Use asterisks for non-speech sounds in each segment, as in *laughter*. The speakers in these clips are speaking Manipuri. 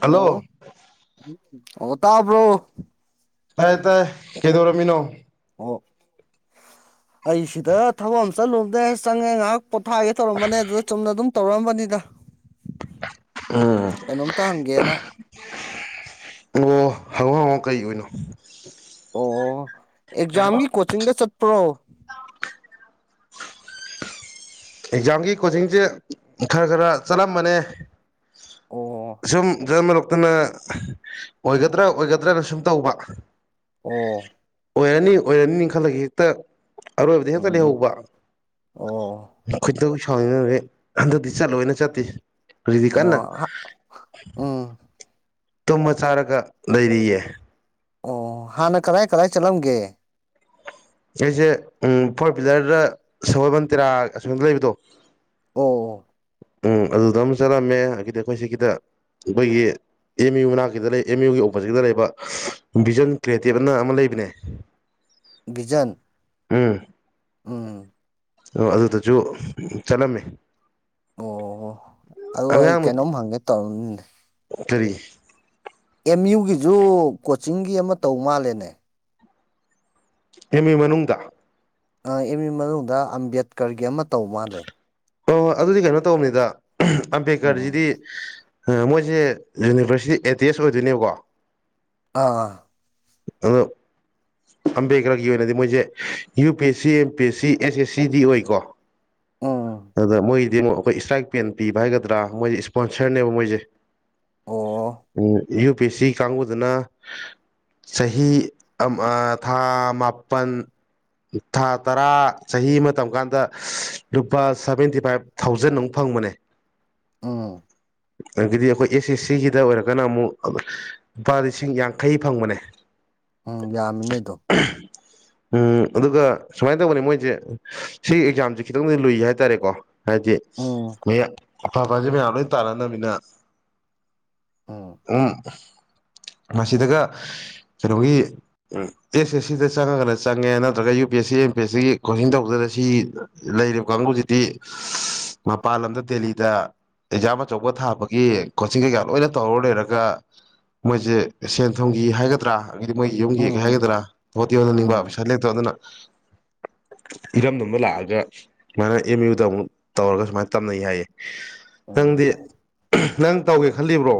ꯍꯜꯂꯣ ꯑꯣ ꯇꯕ꯭ꯔꯣ ꯇꯥꯏꯌꯦ ꯇꯥꯏꯌꯦ ꯀꯩꯗꯧꯔꯝꯃꯤꯅꯣ ꯑꯣ ꯑꯩꯁꯤꯗ ꯊꯕꯛ ꯑꯝ ꯆꯠꯂꯨꯕꯗꯩ ꯆꯪꯉꯦ ꯉꯥꯏꯍꯥꯛ ꯄꯣꯊꯥꯒꯦ ꯇꯧꯔꯝꯕꯅꯦ ꯑꯗꯨꯗ ꯆꯨꯝꯅ ꯑꯗꯨꯝ ꯇꯧꯔꯛꯑꯝꯕꯅꯦꯗ ꯀꯩꯅꯣꯝꯇ ꯍꯪꯒꯦꯅ ꯑꯣ ꯍꯪꯉꯣ ꯍꯪꯉꯣ ꯀꯩꯑꯣꯢꯅꯣ ꯑꯣ ꯑꯦꯛꯖꯥꯝꯒꯤ ꯀꯣꯆꯤꯡꯒ ꯆꯠꯄ꯭ꯔꯣ ꯑꯦꯛꯖꯥꯝꯒꯤ ꯀꯣꯆꯤꯡꯁꯦ ꯈꯔ ꯈꯔ ꯆꯠꯂꯝꯕꯅꯦ ꯑꯣ ꯁꯨꯝ ꯗ꯭ꯔꯃꯔꯣ ꯈꯠꯇꯅ ꯑꯣꯏꯒꯗ꯭ꯔꯥ ꯑꯣꯏꯒꯗ꯭ꯔꯥꯅ ꯁꯨꯝ ꯇꯧꯕ ꯑꯣ ꯑꯣꯏꯔꯅꯤ ꯑꯣꯏꯔꯅꯤꯅ ꯈꯜꯂꯒ ꯍꯦꯛꯇ ꯑꯔꯣꯏꯕꯗ ꯍꯦꯛꯇ ꯎꯝ ꯂꯩꯍꯧꯕ ꯑꯣ ꯈꯣꯢꯗꯧ ꯁꯥꯎꯅꯤꯡꯉꯔꯦ ꯍꯟꯗꯛꯇꯤ ꯆꯠꯂꯣꯏꯅ ꯆꯠꯇꯦ ꯀ꯭ꯔꯤꯗꯤ ꯀꯟꯅ ꯑꯣ ꯎꯝ ꯇꯨꯝꯃ ꯆꯥꯔꯒ ꯂꯩꯔꯤꯌꯦ ꯑꯣ ꯍꯥꯟꯅ ꯀꯗꯥꯏ ꯀꯗꯥꯥꯏ ꯆꯠꯂꯝꯒꯦ ꯑꯩꯁꯦ ꯎꯝ ꯐꯣꯔ ꯄꯤꯂꯔꯗ ꯁꯒꯣꯜꯕꯟꯗ ꯇꯦꯔꯥ ꯑꯁꯣꯝꯗ ꯂꯩꯕꯗꯣ ꯑꯣ ꯎꯝ ꯑꯗꯨꯗ ꯑꯃ ꯆꯠꯂꯝꯃꯦ ꯑꯒꯤꯗꯤ ꯑꯩꯈꯣꯏꯒꯤꯁꯤꯗ ꯑꯩꯈꯣꯏꯒꯤ ꯑꯦꯝ ꯌꯨ ꯃꯅꯥꯛꯀꯤꯗ ꯂꯩ ꯑꯦꯝ ꯌꯨꯒꯤ ꯑꯣꯄꯣꯖꯤꯠꯇ ꯂꯩꯕ ꯚꯤꯖꯟ ꯀ꯭ꯔꯤꯌꯦꯇꯤꯞ ꯑꯅ ꯑꯃ ꯂꯩꯕꯅꯦ ꯚꯤꯖꯟ ꯎꯝ ꯎꯝ ꯑꯣ ꯑꯗꯨꯗꯁꯨ ꯆꯠꯂꯝꯃꯦ ꯑꯣ ꯑꯗꯨ ꯑꯩ ꯑꯉꯥꯡ ꯀꯩꯅꯣꯝ ꯍꯪꯒꯦ ꯇꯧꯔꯤꯅꯤꯅꯦ ꯀꯔꯤ ꯑꯦꯝ ꯌꯨꯒꯤꯖꯨ ꯀꯣꯆꯤꯡꯒꯤ ꯑꯃ ꯇꯧ ꯃꯥꯜꯂꯦꯅꯦ ꯑꯦꯝ ꯌꯨ ꯃꯅꯨꯡꯗ ꯑ ꯑꯦꯝ ꯌꯨ ꯃꯅꯨꯡꯗ ꯑꯝꯕꯦꯗꯀꯔꯒꯤ ꯑꯃ ꯇꯧ ꯃꯥꯜꯂꯦ ꯍꯣꯏ ꯍꯣꯏ ꯑꯗꯨꯗꯤ ꯀꯩꯅꯣ ꯇꯧꯕꯅꯤꯗ ꯎꯝ ꯑꯝꯕꯦꯗꯀꯔꯁꯤꯗꯤ ꯑ ꯃꯣꯏꯁꯦ ꯌꯨꯅꯤꯚꯔꯁꯤꯇꯤ ꯑꯦꯇꯦꯁ ꯑꯣꯏꯗꯣꯏꯅꯦꯕꯀꯣ ꯑꯥ ꯑꯗꯣ ꯑꯝꯕꯦꯗꯀꯔꯒꯤ ꯑꯣꯏꯅꯗꯤ ꯃꯣꯏꯁꯦ U P S C M P S C S ꯑꯦꯁ ꯁꯤꯗꯤ ꯑꯣꯏꯀꯣ ꯎꯝ ꯗꯦꯃꯨꯛ ꯑꯩꯈꯣꯏ ꯏꯁꯇ꯭ꯔꯥꯏꯛꯄꯦꯟ ꯄꯤꯕ ꯍꯥꯏꯒꯗ꯭ꯔꯥ ꯃꯣꯏ ꯏꯁꯄꯣꯟꯁꯔꯅꯦꯕ ꯃꯣꯏꯁꯦ ꯑꯣ ꯎꯝ ꯌꯨ ꯄꯤ ꯑꯦꯁ ꯁꯤ ꯀꯥꯡꯕꯨꯗꯨꯅ ꯆꯍꯤ ꯑꯝ ꯑꯥ ꯊꯥ ꯃꯥꯄꯟ ꯊꯥ ꯇꯔꯥ ꯆꯍꯤ ꯑꯃ ꯇꯝ ꯀꯥꯟꯗ ꯂꯨꯞ ꯂꯨꯄꯥ ꯁꯚꯦꯟꯇꯤ ꯐꯥꯏꯚ ꯊꯥꯎꯖꯟ ꯑꯃꯨꯛ ꯐꯪꯕꯅꯦ ꯎꯝ ꯑꯗꯒꯤꯗꯤ ꯑꯩꯈꯣꯏ ꯑꯦꯁ ꯑꯦꯁ ꯁꯤꯒꯤꯗ ꯑꯣꯏꯔꯒꯅ ꯑꯃꯨꯛ ꯂꯨꯄꯥ ꯂꯤꯁꯤꯡ ꯌꯥꯡꯈꯩ ꯐꯪꯕꯅꯦ ꯎꯝ ꯌꯥꯝꯃꯤꯅꯦꯗꯣ ꯎꯝ ꯑꯗꯨꯒ ꯁꯨꯃꯥꯏ ꯇꯧꯕꯅꯤ ꯃꯣꯏꯁꯦ ꯁꯤ ꯑꯦꯛꯖꯥꯝꯁꯦ ꯈꯤꯇꯪ ꯂꯨꯏ ꯍꯥꯏꯇꯥꯔꯦꯀꯣ ꯍꯥꯏꯗꯤ ꯎꯝ ꯃꯤꯌ ꯑꯐꯥꯐꯖꯦ ꯃꯌꯥꯝ ꯂꯣꯏ ꯇꯥꯟꯅꯅꯤꯅ ꯎꯝ *unintelligible* ꯃꯁꯤꯗꯒ ꯀꯩꯅꯣꯒꯤ ꯑ ꯑꯦꯁ ꯑꯦꯁ ꯁꯤꯗ ꯆꯪꯉꯒꯅ ꯆꯪꯉꯦ ꯅꯠꯇ꯭ꯔꯒ U P S C M P ꯑꯦꯁꯒꯤ coaching ꯇꯧꯗꯅ ꯁꯤ ꯂꯩꯔꯤꯕ ꯀꯥꯡꯕꯨꯁꯤꯗꯤ ꯃꯄꯥꯟ ꯂꯝꯗ ꯗꯦꯜꯂꯤꯗ ꯑꯦꯛꯖꯥꯝ ꯑꯆꯧꯕ ꯊꯥꯕꯒꯤ ꯀꯣꯆꯤꯡ ꯀꯩꯀꯥ ꯂꯣꯏꯅ ꯇꯧꯔ ꯂꯩꯔꯒ ꯃꯣꯏꯁꯦ ꯁꯦꯟ ꯊꯨꯝꯒꯤ ꯍꯥꯏꯒꯗ꯭ꯔꯥ ꯑꯗꯒꯤꯗꯤ ꯃꯣꯏꯒꯤ ꯌꯨꯝꯒꯤ ꯀꯩ ꯎꯝ ꯍꯥꯏꯒꯗ꯭ꯔꯥ ꯍꯣꯠꯇꯤ ꯍꯣꯠꯅꯅꯤꯡꯕ ꯎꯝ ꯄꯩꯁꯥ ꯂꯩꯇꯕ ꯑꯗꯨꯅ ꯏꯔꯝꯗꯝꯗ ꯂꯥꯛꯑꯒ ꯁꯨꯃꯥꯏꯅ ꯑꯦꯝ ꯌꯨꯗ ꯑꯃꯨꯛ ꯇꯧꯔꯒ ꯁꯨꯃꯥꯏꯅ ꯇꯝꯅꯩ ꯍꯥꯏꯌꯦ ꯅꯪꯗꯤ ꯎꯝ ꯅꯪ ꯇꯧꯒꯦ ꯈꯜꯂꯤꯕ꯭ꯔꯣ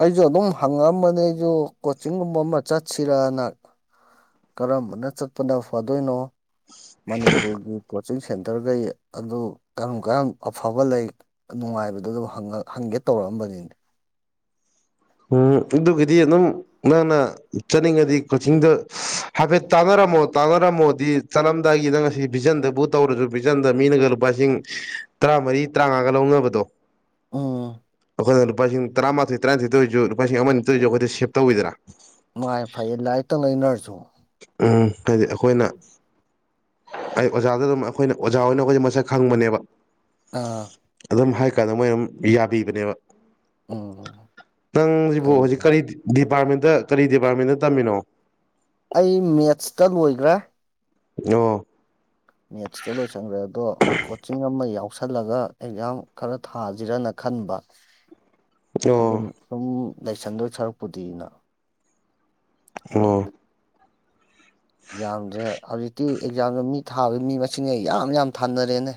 ꯑꯩꯁꯨ ꯑꯗꯨꯝ ꯍꯪꯉꯛ ꯑꯝꯕꯅꯤ ꯑꯩꯁꯨ ꯀꯣꯆꯤꯡꯒꯨꯝꯕ ꯑꯃ ꯆꯠꯁꯤꯔꯅ ꯀꯔꯝꯕꯅ ꯆꯠꯄꯅ ꯐꯗꯣꯏꯅꯣ ꯃꯅꯤꯄꯨꯔꯒꯤ ꯄꯣꯠ ꯆꯤꯡ ꯁꯦꯟꯇꯔꯒꯩ ꯑꯗꯨ ꯀꯔꯝ ꯀꯟ ꯑꯐꯕ ꯂꯩ ꯅꯨꯡꯉꯥꯏꯕꯗꯨ ꯑꯗꯨ ꯍꯪꯒꯦ ꯇꯧꯔꯛ ꯑꯝꯕꯅꯤꯅꯦ ꯎꯝ ꯑꯗꯨꯒꯤꯗꯤ ꯑꯗꯨꯝ ꯅꯪꯅ ꯆꯠꯅꯤꯡꯉꯗꯤ ꯀꯣꯆꯤꯡꯗꯣ ꯍꯥꯏꯐꯦꯠ ꯇꯥꯟꯅꯔ ꯇꯝꯃꯣ ꯇꯥꯟꯅꯔꯝꯃꯣꯗꯤ ꯆꯠꯂꯝꯗꯥꯏꯒꯤ ꯉꯁꯤ ꯚꯤꯖꯟꯗꯕꯨ ꯇꯧꯔꯁꯨ ꯚꯤꯖꯟꯗ ꯃꯤꯅꯒ ꯂꯨꯄꯥꯁꯤꯡ ꯇꯔꯥꯃꯔꯤ ꯇꯔꯥꯃꯉꯥꯒ ꯂꯧꯅꯕꯗꯣ ꯎꯝ ꯑꯩꯈꯣꯏꯅ ꯂꯨꯄꯥꯁꯤꯡ ꯇꯔꯥꯃꯥꯊꯣꯏ ꯇꯔꯥꯅꯤꯊꯣꯏꯇ ꯑꯣꯢꯔꯁꯨ ꯂꯨꯄꯥꯁꯤꯡ ꯑꯃꯅꯤ ꯇꯑꯣꯢꯁꯨ ꯁꯦꯞ ꯇꯧꯋꯤꯗꯅ ꯃꯥ ꯐꯩꯌꯦ ꯂꯥꯏꯔꯤꯛꯇꯪ ꯂꯩꯅꯔꯁꯨ ꯎꯝ ꯀꯔꯤ ꯑꯩꯈꯣꯏꯅ ꯑꯩ ꯑꯣꯖꯥꯗ ꯑꯗꯨꯝ ꯑꯩꯈꯣꯏꯅ ꯑꯣꯖ ꯍꯣꯏꯅ ꯑꯩꯗꯣꯏꯁꯦ ꯃꯁꯛ ꯈꯪꯕꯅꯦꯕ ꯑꯥ ꯑꯗꯨꯝ ꯍꯥꯏ ꯀꯥꯟꯗ ꯃꯣꯏ ꯑꯗꯨꯝ ꯌꯥꯕꯤꯕꯅꯦꯕ ꯎꯝ ꯅꯪꯁꯤꯕꯨ ꯐꯩ ꯍꯧꯖꯤꯛ ꯐꯩ ꯀꯔꯤ ꯗꯤꯄꯥꯔꯠꯃꯦꯟ ꯗ ꯀꯔꯤ ꯗꯤꯄꯥꯔꯠꯃꯦꯟꯗ ꯇꯝꯃꯤꯅꯣ ꯑꯩ ꯃꯦꯠꯁꯇ ꯂꯣꯏꯒ꯭ꯔꯦ ꯑꯣ ꯂꯁꯜꯂꯒ ꯑꯦꯛꯖꯥꯝ ꯈꯔ ꯊꯥꯖꯤꯔꯅ ꯈꯟꯕ ꯑꯗꯨꯝ ꯑꯣ ꯁꯨꯝ ꯂꯥꯏꯁꯟꯗꯣꯏ ꯁꯔꯛꯄꯨꯗꯤꯅ ꯑꯣ ꯑꯗꯣꯝꯗ ꯌꯥꯝꯗ꯭ꯔꯦ ꯍꯧꯖꯤꯛꯇꯤ ꯑꯦꯛꯖꯥꯝꯗꯣ ꯃꯤ ꯊꯥꯕꯒꯤ ꯃꯤ ꯃꯁꯤꯡꯅꯦ ꯌꯥꯝ ꯌꯥꯝ ꯊꯥꯅꯔꯦꯅꯦ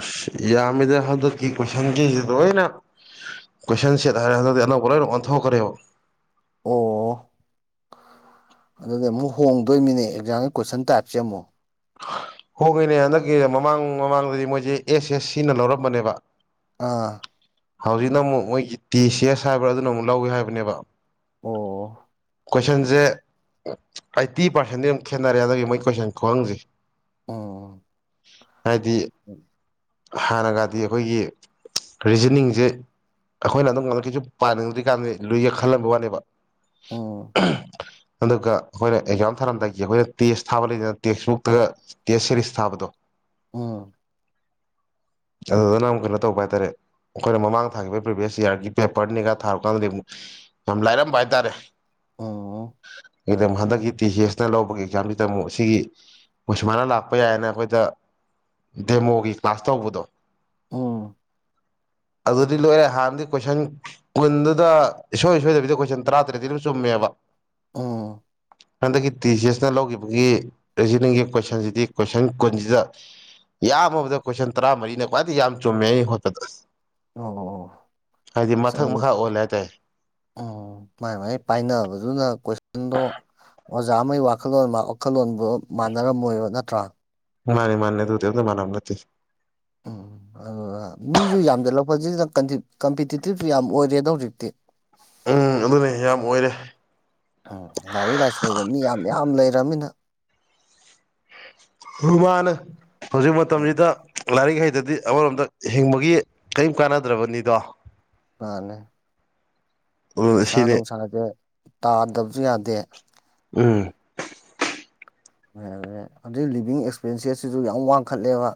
ꯑꯁ ꯌꯥꯃꯤꯗ ꯍꯟꯗꯛꯇꯤ ꯀꯣꯏꯁꯟꯒꯤꯖꯦ ꯂꯣꯏꯅ ꯀꯣꯏꯁꯟ ꯁꯦꯠ ꯍꯥꯏꯔꯦ ꯍꯟꯗꯛꯇꯤ ꯑꯅꯧꯕ ꯂꯣꯏꯅ ꯑꯣꯟꯊꯣꯛꯈ꯭ꯔꯦꯕ ꯑꯣ ꯑꯗꯨꯗꯤ ꯑꯃꯨꯛ ꯍꯣꯡꯗꯣꯏꯃꯤꯅꯦ ꯑꯦꯛꯖꯥꯝꯒꯤ ꯀꯣꯏꯁꯟ ꯇꯥꯏꯞꯁꯦ ꯑꯃꯨꯛ ꯍꯣꯏꯉꯤꯅꯦ ꯍꯟꯗꯛꯀꯤ ꯃꯃꯥꯡ ꯃꯃꯥꯡꯗꯗꯤ ꯃꯣꯏꯁꯦ ꯑꯦꯁ ꯑꯦꯁ ꯁꯤꯅ ꯂꯧꯔꯝꯕꯅꯦꯕ ꯑꯥ ꯍꯧꯖꯤꯛꯅ ꯑꯃꯨꯛ ꯃꯣꯏꯒꯤ ꯇꯤ ꯁꯤ ꯑꯦꯁ ꯍꯥꯏꯕ꯭ꯔꯥ ꯑꯗꯨꯅ ꯑꯃꯨꯛ ꯂꯧꯏ ꯍꯥꯏꯕꯅꯦꯕ ꯑꯣ ꯀꯣꯏꯁꯟꯁꯦ ꯑꯥꯏꯠꯇꯤ ꯄꯥꯔꯁꯦꯟꯗꯤ ꯌꯥꯝ ꯈꯦꯠꯅꯔꯦ ꯑꯗꯨꯒꯤ ꯃꯣꯏ ꯀꯣꯏꯁꯟ ꯈꯍꯪꯖꯦ ꯑꯣ ꯑꯣ ꯍꯥꯏꯗꯤ ꯍꯥꯟꯅꯒꯗꯤ ꯑꯩꯈꯣꯏꯒꯤ ꯔꯤꯖꯅꯤꯡꯁꯦ ꯑꯩꯈꯣꯏꯅ ꯑꯗꯨꯝ ꯉꯛꯀꯤꯁꯨ ꯄꯥꯅꯤꯡꯗ꯭ꯔꯤ ꯀꯥꯟꯗꯗꯤ ꯂꯨꯢ ꯌꯦ ꯈꯜꯂꯝꯕ ꯋꯥꯅꯦꯕ ꯎꯝ ꯑꯗꯨꯒ ꯑꯩꯈꯣꯏꯅ ꯑꯦꯛꯖꯥꯝ ꯊꯥꯔꯝꯗꯥꯏꯒꯤ ꯑꯩꯈꯣꯏꯅ ꯇꯦꯁ ꯊꯥꯕ ꯂꯩꯗꯅ ꯇꯦꯛꯁꯕꯨꯛꯇꯒ ꯇꯦꯁ ꯁꯦꯔꯤꯁ ꯊꯥꯕꯗꯣ ꯎꯝ ꯑꯗꯨꯗꯨꯅ ꯀꯩꯅꯣ ꯇꯧꯕ ꯍꯥꯏ ꯇꯔꯦ ꯑꯩꯈꯣꯏꯅ ꯃꯃꯥꯡ ꯊꯥꯈꯤꯕ ꯄ꯭ꯔꯤꯚꯤꯌꯁ ꯏꯌꯥꯔꯒꯤ ꯄꯦꯄꯔꯅꯤꯒ ꯊꯥꯔꯨ ꯀꯥꯟꯗꯗꯤ ꯑꯃꯨꯛ ꯌꯥꯝ ꯂꯥꯏꯔꯝꯕ ꯍꯥꯏꯇꯥꯔꯦ ꯑꯣ ꯑꯣ ꯑꯦꯛꯖꯥꯝ ꯍꯟꯗꯛꯀꯤ ꯇꯤ ꯁꯤ ꯑꯦꯁꯇ ꯂꯧꯕꯒꯤ ꯑꯦꯛꯖꯥꯝꯁꯤꯗ ꯑꯃꯨꯛ ꯁꯤꯒꯤ ꯃꯣꯏ ꯁꯨꯃꯥꯏꯅ ꯂꯥꯛꯄ ꯌꯥꯏꯌꯦꯅ ꯑꯩꯈꯣꯏꯗ ꯗꯦꯃꯣꯒꯤ ꯀ꯭ꯂꯥꯁ ꯇꯧꯕꯗꯣ ꯎꯝ *inaudible* ꯑꯗꯨꯗꯤ ꯂꯣꯏꯔꯦ ꯍꯥꯟꯅꯗꯤ ꯀꯣꯏꯁꯟ ꯀꯨꯟꯗꯨꯗ ꯏꯁꯣꯏ ꯁꯣꯏꯗꯕꯤꯗ ꯀꯣꯏꯁꯟ ꯇꯔꯥꯇꯔꯦꯠꯗꯤ ꯂꯣꯏ ꯆꯨꯝꯃꯦꯕ ꯑꯥ ꯍꯟꯗꯛꯀꯤ ꯇꯤ ꯁꯤ ꯑꯦꯁꯅ ꯂꯧꯈꯤꯕꯒꯤ ꯔꯤꯖꯅꯤꯡꯒꯤ ꯀꯣꯏꯁꯟꯁꯤꯗꯤ ꯀꯣꯏꯁꯟ ꯀꯨꯟꯁꯤꯗ ꯌꯥꯝꯃꯕꯗ ꯀꯣꯏꯁꯟ ꯇꯔꯥꯃꯔꯤꯅ ꯈ꯭ꯋꯥꯏꯗꯒꯤ ꯌꯥꯝ ꯆꯨꯝꯃꯦ ꯑꯩꯅ ꯍꯣꯠꯄꯗ ꯑꯣ ꯍꯥꯏꯗꯤ ꯃꯊꯛ ꯃꯈꯥ ꯑꯣꯜꯂꯦ ꯍꯥꯏꯇꯥꯢ ꯑꯣ ꯃꯥꯥꯏ ꯃꯥꯏ ꯄꯥꯏꯅꯕ ꯑꯗꯨꯅ ꯀꯣꯏꯁꯟꯗꯣ ꯑꯣꯖꯥ ꯑꯃꯒꯤ ꯋꯥꯈꯜꯂꯣꯟ ꯋꯥꯈꯜꯂꯣꯟꯕꯨ ꯃꯥꯟꯅꯔꯝꯃꯣꯏꯕ ꯅꯠ ꯃꯥꯅꯦ ꯃꯥꯅꯦ ꯑꯗꯨꯕꯨꯗꯤ ꯑꯝꯇ ꯃꯥꯟꯅꯕ ꯅꯠꯇꯦ ꯎꯝ ꯑꯗꯨꯒ ꯃꯤꯁꯨ ꯌꯥꯝꯖꯠꯂꯛꯄꯁꯤꯗ ꯀꯟꯖꯤꯞ ꯀꯝꯄꯤꯇꯤꯇꯤꯞꯁꯨ ꯌꯥꯝ ꯑꯣꯏꯔꯦꯗ ꯍꯧꯖꯤꯛꯇꯤ *inaudible* ꯎꯝ ꯑꯗꯨꯅꯦ ꯌꯥꯝ ꯑꯣꯏꯔꯦ ꯑꯥ ꯂꯥꯏꯔꯤꯛ ꯂꯥꯏꯁꯨ ꯍꯩꯕ ꯃꯤ ꯌꯥꯝ ꯌꯥ ꯌꯥꯝ ꯂꯩꯔꯝꯃꯤꯅ *unintelligible* ꯍꯧꯖꯤꯛ ꯃꯇꯝꯁꯤꯗ ꯂꯥꯏꯔꯤꯛ ꯍꯩ ꯗꯗꯤ ꯑꯃꯔꯣꯝꯗ ꯍꯤꯡꯕꯒꯤ ꯀꯩꯝ ꯀꯥꯟꯅꯗ꯭ꯔꯕꯅꯤꯗꯣ ꯃꯥꯟꯅꯦ ꯑꯗꯨ ꯄꯩꯁꯥ ꯁꯤꯅꯤ ꯅꯨꯡꯁꯥꯗꯣ ꯇꯥꯟꯗꯕꯁꯨ ꯌꯥꯗꯦ ꯎꯝ ꯌꯥꯗ꯭ꯔꯦ ꯑꯗꯩ ꯂꯤꯚꯤꯡ ꯑꯦꯛꯁꯄꯦꯟꯁꯦꯁ ꯁꯤꯁꯨ ꯌꯥꯝ ꯋꯥꯡꯈꯠꯂꯦꯕ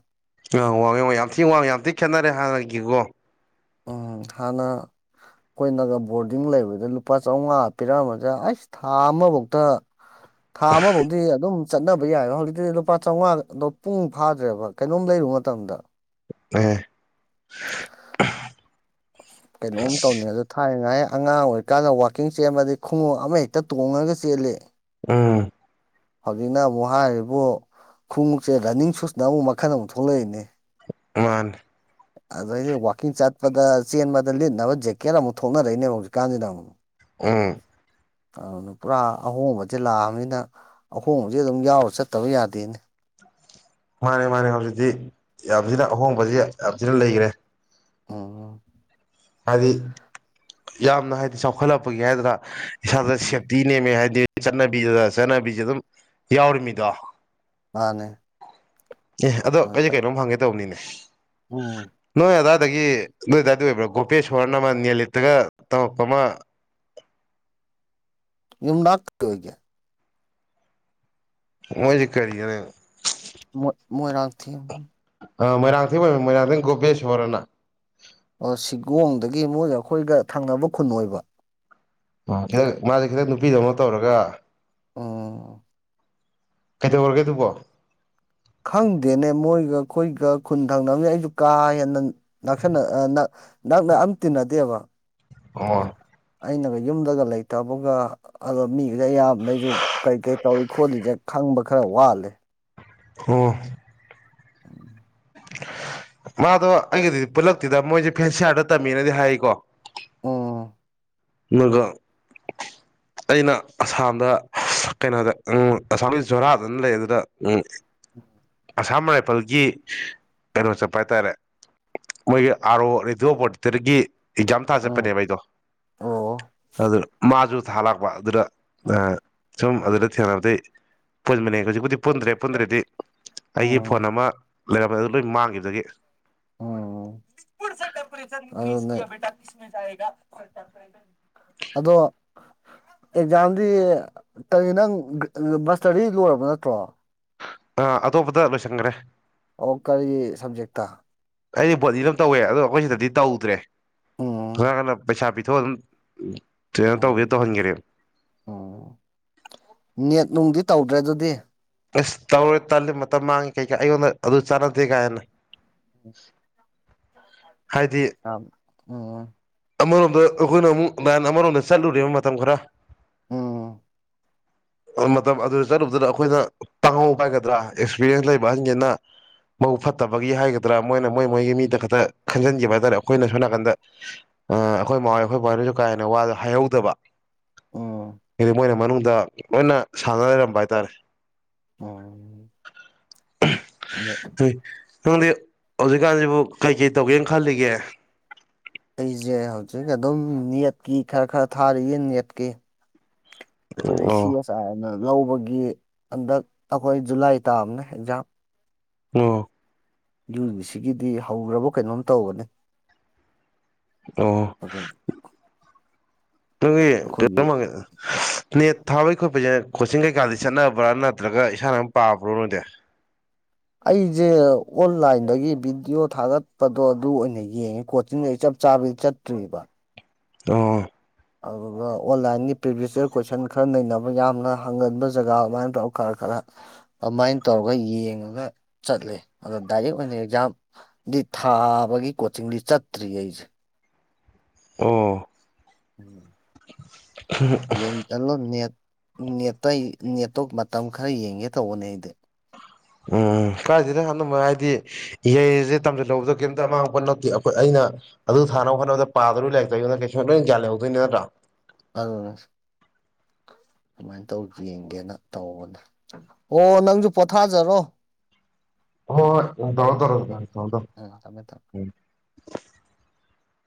ꯋꯥꯡꯉꯦ ꯋꯥꯡꯉꯦ ꯌꯥꯝ ꯊꯤ ꯋꯥꯡꯉꯦ ꯌꯥꯝ ꯊꯤ ꯈꯦꯠꯅꯔꯦ ꯍꯥꯟꯅꯒꯤꯀꯣ ꯎꯪ ꯍꯥꯟꯅ ꯈꯣꯏꯅꯒ ꯕꯣꯔꯗꯤꯡ ꯂꯩꯕꯗ ꯂꯨꯄꯥ ꯆꯥꯝꯃꯉꯥ ꯄꯤꯔꯛꯝꯕꯗ ꯑꯩꯁ ꯊꯥ ꯑꯃꯕꯣꯛꯇ ꯊꯥ ꯑꯃ ꯕꯧꯇꯤ ꯑꯗꯨꯝ ꯆꯠꯅꯕ ꯌꯥꯏꯕ ꯍꯧꯖꯤꯛꯇꯤꯗꯤ ꯂꯨꯄꯥ ꯆꯥꯝꯃꯉꯥ ꯄꯨꯡ ꯐꯥꯗ꯭ꯔꯦꯕ ꯀꯩꯅꯣꯝ ꯂꯩ ꯇꯣꯑꯣ ꯇꯝꯗ ꯑꯦ ꯀꯩꯅꯣꯝ ꯇꯧꯅꯤ ꯑꯗꯣ ꯊꯥꯏꯅꯉꯥꯏ ꯑꯉꯥꯡ ꯑꯣꯏꯔꯤꯀꯥꯟꯗ ꯋꯥꯛꯀꯤꯡ ꯆꯦꯟꯕꯗꯤ ꯈꯣꯡꯉꯨꯞ ꯑꯃ ꯍꯦꯛꯇ ꯇꯣꯡꯉꯒ ꯆꯦꯜꯂꯤ ꯎꯝ ꯍꯧꯖꯤꯛꯅ ꯑꯃꯨꯛ ꯍꯥꯏꯔꯤꯕꯨ ꯈꯣꯡꯉꯨꯞꯁꯦ ꯔꯟꯅꯤꯡ ꯁꯨꯁꯅ ꯃꯈꯟ ꯑꯃꯨꯛ ꯊꯣꯛꯂꯛꯏꯅꯦ ꯃꯥꯟꯅꯦ ꯑꯗꯩꯗꯤ ꯋꯥꯛꯀꯤꯡ ꯆꯠꯄꯗ ꯆꯦꯟꯕꯗ ꯂꯤꯠꯅꯕ ꯖꯦꯛꯀꯦꯠ ꯑꯃꯨꯛ ꯊꯣꯛꯅꯔꯛꯏꯅꯦꯕ ꯍꯧꯖꯤꯛꯀꯥꯟꯁꯤꯅ ꯑꯃꯨꯛ ꯎꯝ ꯑꯥ ꯗꯨ ꯄꯨꯔꯥ ꯑꯍꯣꯡꯕꯁꯦ ꯂꯥꯛꯑꯝꯅꯤꯅ ꯑꯍꯣꯡꯕꯁꯦ ꯑꯗꯨꯝ ꯌꯥꯎꯔ ꯆꯠꯇꯕ ꯌꯥꯗꯦꯅꯦ *inaudible* ꯃꯥꯅꯦ ꯃꯥꯅꯦ ꯍꯧꯖꯤꯛꯇꯤ ꯌꯥꯝ ꯊꯤꯅ ꯑꯍꯣꯡꯕꯁꯤ ꯌꯥꯝ ꯊꯤꯅ ꯂꯩꯒ꯭ꯔꯦ *unintelligible* ꯍꯥꯏꯗꯤ ꯌꯥꯝꯅ ꯍꯥꯏꯗꯤ ꯆꯥꯎꯈꯠꯂꯛꯄꯒꯤ ꯍꯥꯏꯗ꯭ꯔ ꯏꯁꯥꯗ ꯎꯝ ꯁꯦꯞꯇꯤ ꯅꯦꯝꯃꯦ ꯍꯥꯏꯗꯤ ꯆꯠꯅꯕꯤꯗꯨꯗ ꯆꯠꯅꯕꯤꯖꯦ ꯑꯗꯨꯝ ꯌꯥꯎꯔꯤꯃꯤꯗꯣ ꯃꯥꯅꯦ ꯑꯦ ꯑꯗꯣ ꯑꯩꯖꯦ ꯀꯩꯅꯣꯝ ꯍꯪꯒꯦ ꯇꯧꯕꯅꯤꯅꯦ ꯎꯝ ꯇꯒꯤ ꯅꯣꯏꯗꯥꯏꯗ ꯑꯣꯏꯕ꯭ꯔ ꯒꯣ ꯒꯣꯄꯦꯁꯣꯔꯅ ꯑꯃ ꯅꯦꯂꯤꯠꯇꯒ ꯇꯝꯃꯛꯄ ꯑꯃ ꯌꯨꯝꯅꯥꯛ ꯀꯩ ꯑꯣꯏꯒꯦ ꯃꯣꯏꯖꯦ ꯀꯔꯤꯌꯣꯌꯣ ꯃꯣꯠ ꯃꯣꯏꯔꯥꯡꯊꯦꯝ ꯑ ꯃꯣꯏꯔꯥꯡꯊꯦꯝ ꯑꯣꯏꯕ ꯃꯣꯏꯔꯥꯡꯊꯦꯝ ꯒꯣꯄꯦꯁ꯭ꯋꯣꯔꯅ ꯑꯣ ꯁꯤꯒꯣꯡꯗꯒꯤ ꯃꯣꯏꯒ ꯑꯩꯈꯣꯏꯒ ꯊꯪꯅꯕ ꯈꯨꯟ ꯑꯣꯏꯕ ꯑꯣ ꯈꯦꯠꯅꯩ ꯃꯥꯗꯤ ꯈꯔ ꯅꯨꯄꯤꯗꯧꯅ ꯇꯧꯔꯒ *unintelligible* ꯀꯩꯗꯧꯔꯒꯦ ꯑꯗꯨꯕꯣ ꯈꯪꯗꯦꯅꯦ ꯃꯣꯏꯒ ꯑꯩꯈꯣꯏꯒ ꯈꯨꯟ ꯊꯪꯅꯕꯅꯤꯅ ꯑꯩꯁꯨ ꯀꯥ ꯍꯦꯟꯅ ꯅꯛꯁꯟꯅ ꯑ ꯅꯛ ꯅꯛꯅ ꯑꯝ ꯇꯤꯟꯅꯗꯦꯕ ꯑꯣ ꯑꯩꯅꯒ ꯌꯨꯝꯗꯒ ꯂꯩꯇꯕꯒ ꯑꯗꯣ ꯃꯤꯒꯖꯦ ꯑꯌꯥꯝꯕꯅ ꯑꯩꯖꯨ ꯀꯩꯀꯩ ꯇꯧꯔꯤ ꯈꯣꯠꯂꯤꯖꯦ ꯈꯪ ꯈꯪꯕ ꯈꯔ ꯋꯥꯠꯂꯦ ꯍꯝ ꯃꯥꯗꯣ ꯑꯩꯒꯗꯤ ꯄꯨꯜꯂꯛꯇꯦꯗ ꯃꯣꯏꯖꯦ ꯐꯦꯟꯁꯤꯌꯥꯔꯗ ꯇꯝꯃꯦꯅꯗꯤ ꯍꯥꯏꯀꯣ ꯎꯝ ꯃꯣꯏꯒ *inaudible* ꯑꯩꯅ ꯑꯁꯥꯝꯗ ꯀꯩꯅꯣꯗ ꯑꯪ ꯑꯁꯥꯝꯒꯤ ꯖꯣꯔꯥꯗ ꯂꯩꯕꯗꯨꯗ ꯎꯝ ꯎꯝ ꯑꯁꯥꯝ ꯔꯥꯏꯐꯜꯒꯤ ꯀꯩꯅꯣ ꯆꯠꯄ ꯍꯥꯏꯇꯔꯦ ꯃꯣꯏꯒꯤ ꯑꯥꯔꯑꯣ ꯔꯦꯗꯤꯑꯣ ꯑꯣꯄꯣꯂꯦꯇꯔꯒꯤ ꯑꯦꯛꯖꯥꯝ ꯊꯥ ꯎꯝ ꯆꯠꯄꯅꯦꯕ ꯑꯩꯗꯣ ꯑꯣ ꯑꯗꯨ ꯃꯥꯁꯨ ꯊꯥ ꯂꯥꯛꯄ ꯑꯗꯨꯗ ꯑ ꯎꯝ ꯁꯨꯝ ꯑꯗꯨꯗ ꯊꯦꯡꯅꯕꯗꯩꯒꯤ ꯄꯨꯟꯕꯅꯦ ꯍꯧꯖꯤꯛꯄꯨꯗꯤ ꯄꯨꯟ ꯄꯨꯟꯗ꯭ꯔꯦ ꯄꯨꯟꯗ꯭ꯔꯦꯗꯤ ꯑꯩꯒꯤ ꯐꯣꯟ ꯑꯃ ꯂꯩꯔꯝꯕ ꯑꯗꯨ ꯂꯣꯏ ꯃꯥꯡꯈꯤꯕꯗꯒꯤ ꯎꯝ *unintelligible* ꯑꯗꯣ ꯅꯣꯏ ꯑꯗꯣ ꯑꯦꯛꯖꯥꯝꯗꯤ ꯀꯔꯤ ꯅꯪ ꯃꯁꯇꯔꯗꯤ ꯂꯣꯏꯔꯕ ꯅꯠꯇ꯭ꯔꯣ ꯑ ꯑꯇꯣꯞꯄꯗ ꯂꯣꯏꯁꯤꯟꯒ꯭ꯔꯦ ꯑꯣ ꯀꯔꯤ ꯁꯕꯖꯦꯛꯇ ꯑꯩꯗꯤ ꯕꯣꯠꯅꯤꯗ ꯑꯗꯨꯝ ꯇꯧꯋꯦ ꯑꯗꯣ ꯑꯩꯈꯣꯏꯁꯤꯗꯗꯤ ꯇꯧꯗ꯭ꯔꯦ ꯎꯝ *unintelligible* ꯄꯩꯁꯥ ꯄꯤꯊꯣꯛꯑ ꯑꯗꯨꯝ ꯀꯩꯅꯣ ꯇꯧꯒꯦ ꯎꯝ ꯇꯧꯍꯟꯒ꯭ꯔꯦ ꯎꯝ ꯅꯦꯠ ꯅꯨꯡꯗꯤ ꯇꯧꯗ꯭ꯔꯦ ꯑꯗꯨꯗꯤ ꯑꯁ ꯇꯧꯔꯣꯏ ꯇꯜꯂꯤ ꯃꯇꯝ ꯃꯥꯡꯉꯦ ꯀꯩꯀꯥ ꯑꯩꯉꯣꯟꯗ ꯑꯗꯨ ꯆꯥꯟꯅꯗꯦ ꯀꯥꯍꯦꯟꯅ ꯑꯝ ꯎꯝ ꯑꯃꯔꯣꯝꯗ ꯑꯩꯈꯣꯏꯅ ꯑꯃꯨꯛ ꯂꯥꯏꯟ ꯑꯃꯔꯣꯝꯗ ꯆꯠꯂꯨꯔꯦꯕ ꯃꯇꯝ ꯈꯔ ꯎꯝ ꯎꯝ ꯃꯇꯝ ꯑꯗꯨꯗ ꯆꯠꯂꯨꯕꯗꯨꯅ ꯑꯩꯈꯣꯏꯗ ꯄꯪꯍꯧꯕ ꯍꯥꯏꯒꯗ꯭ꯔꯥ ꯑꯦꯛꯁꯄꯔꯤꯌꯦꯟꯁ ꯂꯩꯕ ꯑꯍꯟꯒꯩꯅ ꯃꯕꯨꯛ ꯐꯠꯇꯕꯒꯤ ꯍꯥꯏꯒꯗ꯭ꯔꯥ ꯃꯣꯏꯅ ꯃꯣꯏ ꯃꯣꯏꯒꯤ ꯃꯤꯗ ꯈꯛꯇ ꯈꯟꯖꯤꯟꯈꯤꯕ ꯍꯥꯏ ꯇꯥꯔꯦ ꯑꯩꯈꯣꯏꯅ ꯁꯣꯝ ꯅꯥꯀꯟꯗ ꯑ ꯑꯩꯈꯣꯏ ꯃꯥꯍꯣꯏ ꯑꯩꯈꯣꯏ ꯕꯥꯍꯣꯏꯗꯁꯨ ꯀꯥ ꯍꯦꯟꯅ ꯋꯥꯗꯣ ꯍꯥꯏꯍꯧꯗꯕ *inaudible* ꯏꯗꯤ ꯃꯣꯏꯅ ꯃꯅꯨꯡꯗ ꯂꯣꯏꯅ ꯁꯥꯟꯅ ꯂꯩꯔꯝꯕ ꯍꯥꯏꯇꯥꯔꯦ ꯎꯝ *unintelligible* ꯍꯩ ꯅꯪꯗꯤ ꯍꯧꯖꯤꯛꯀꯥꯟꯁꯤꯕꯨ ꯀꯩꯀꯩ ꯇꯧꯒꯦꯅ ꯈꯜꯂꯤꯒꯦ ꯑꯩꯁꯦ ꯍꯧꯖꯤꯛ ꯑꯗꯨꯝ ꯅꯦꯠꯀꯤ ꯈꯔ ꯈꯔ ꯊꯥꯔꯤꯌꯦ ꯅꯦꯠꯀꯤ ꯑꯩꯈꯣꯏꯗꯤ ꯁꯤ ꯑꯣ ꯑꯦꯁ ꯑꯥꯔ ꯅ ꯂꯧꯕꯒꯤ ꯍꯟꯗꯛ ꯑꯩꯈꯣꯏ ꯖꯨꯂꯥꯏ ꯇꯥꯕꯅꯦ ꯑꯦꯛꯖꯥꯝ ꯑꯣ ꯌꯨꯖꯤꯁꯤꯒꯤꯗꯤ ꯍꯧꯒ꯭ꯔꯕ ꯀꯩꯅꯣꯝ ꯇꯧꯕꯅꯤ ꯑꯣ ꯑꯗꯨꯝ *unintelligible* ꯅꯦꯠ ꯊꯥꯕꯩ ꯈꯣꯠꯄꯩꯁꯦ ꯀꯣꯆꯤꯡ ꯀꯩꯀꯥꯗꯤ ꯆꯠꯅꯕ꯭ꯔꯥ ꯅꯠꯇ꯭ꯔꯒ ꯏꯁꯥꯅ ꯑꯗꯨꯝ ꯄꯥꯕ꯭ꯔꯣ ꯅꯣꯏꯗꯤ ꯑꯩꯁꯦ ꯑꯣꯟꯂꯥꯏꯟꯗꯒꯤ ꯚꯤꯗꯤꯑꯣ ꯊꯥꯒꯠꯄꯗꯣ ꯑꯗꯨ ꯑꯣꯏꯅ ꯌꯦꯡꯉꯤ ꯀꯣꯆꯤꯡꯗ ꯑꯩ ꯆꯞ ꯆꯥꯕꯤ ꯆꯠꯇ꯭ꯔꯤꯕ ꯑꯥ ꯑꯗꯨꯗꯨꯒ ꯑꯣꯟꯂꯥꯏꯟꯒꯤ ꯄ꯭ꯔꯤꯚꯤꯁꯤꯌꯔ ꯀꯣꯏꯁꯟ ꯈꯔ ꯅꯩꯅꯕ ꯌꯥꯝꯅ ꯍꯪꯒꯟꯕ ꯖꯒꯥ ꯑꯗꯨꯃꯥꯏꯅ ꯇꯧꯔ ꯈꯔ ꯈꯔ ꯑ ꯑꯃꯥꯏ ꯇꯧꯔꯒ ꯌꯦꯡꯉꯒ ꯆꯠꯂꯦ ꯑꯗꯣ ꯗꯥꯏꯔꯦꯛ ꯑꯣꯏꯅ ꯑꯦꯛꯖꯥꯝ ꯗꯤ ꯊꯥ ꯕꯒꯤ ꯀꯣꯆꯤꯡꯗꯤ ꯆꯠꯇ꯭ꯔꯤꯌꯦ ꯑꯩꯁꯦ ꯑꯣ ꯎꯝ ꯌꯦꯡ ꯇꯜꯂꯣ ꯅꯦꯠ ꯅꯦꯠꯇ ꯅꯦꯠꯇꯣ ꯃꯇꯝ ꯈꯔ ꯌꯦꯡꯒꯦ ꯇꯧꯕꯅꯦ ꯑꯩꯗꯤ ꯎꯝ ꯀꯥꯏꯗꯦꯗ ꯑꯟꯗꯨꯝꯕ ꯍꯥꯏꯗꯤ ꯏꯍꯩꯑꯁꯦ ꯇꯝꯁꯤꯜꯍꯧꯕꯗ ꯀꯩꯝꯇ ꯑꯃꯥꯡꯄ ꯅꯠꯇꯦ ꯑꯩꯈꯣꯏ ꯑꯩꯅ ꯗ ꯑꯗꯨ ꯊꯥꯅꯕ ꯍꯣꯠꯅꯕꯗ ꯄꯥꯗꯣꯔꯤ ꯂꯥꯏꯔꯤꯛꯇꯣ ꯀꯩꯁꯨ ꯑꯩꯉꯣꯟꯗ ꯂꯣꯏꯅ ꯒ꯭ꯌꯥꯟ ꯂꯩꯍꯧꯗꯣꯏꯅꯦ ꯅꯠꯇ꯭ꯔ ꯑꯗꯨꯅꯦ ꯗꯨꯃꯥꯏ ꯇꯧ ꯌꯦꯡꯒꯦꯅ ꯇꯧꯕꯅꯦ ꯑꯣ ꯅꯪꯖꯨ ꯄꯣꯊꯥꯖꯔꯣ ꯍꯣꯏ ꯍꯣꯏ ꯎꯝ ꯇꯧꯔꯣ ꯇꯧꯔꯣ ꯎꯝ ꯊꯝꯃꯣ ꯊꯝꯃꯣ ꯎꯝ ꯊꯝꯃꯦ ꯊꯝꯃꯦ ꯎꯝ